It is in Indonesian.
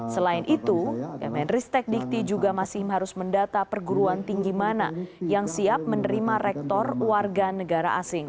selain itu kemenristek dikti juga masih harus mendata perguruan tinggi mana yang siap menerima rektor warga negara asing